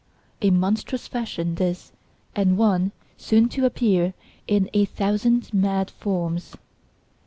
A monstrous fashion, this, and one soon to appear in a thousand mad forms.